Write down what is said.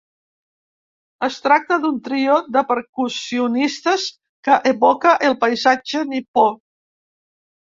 Es tracta d'un trio de percussionistes que evoca el paisatge nipó.